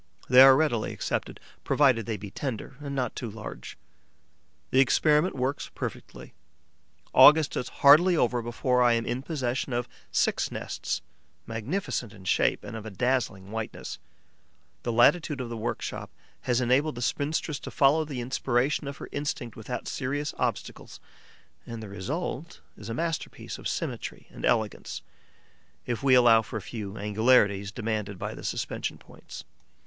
They are readily accepted, provided they be tender and not too large. The experiment works perfectly. August is hardly over before I am in possession of six nests, magnificent in shape and of a dazzling whiteness. The latitude of the workshop has enabled the spinstress to follow the inspiration of her instinct without serious obstacles; and the result is a masterpiece of symmetry and elegance, if we allow for a few angularities demanded by the suspension points.